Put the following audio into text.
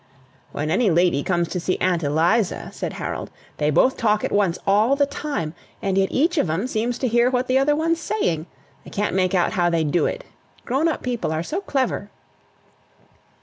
"When any lady comes to see Aunt Eliza," said Harold, "they both talk at once all the time. And yet each of 'em seems to hear what the other one's saying. I can't make out how they do it. Grown up people are so clever!"